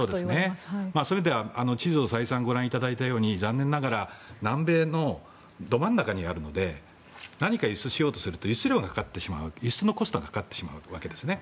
そういう意味では地図で再三ご覧いただいたとおり残念ながら南米のど真ん中にあるので何か輸出しようとすると輸出量、輸出コストがかかってしまうわけですね。